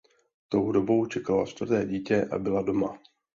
Tou dobou čekala čtvrté dítě a byla doma.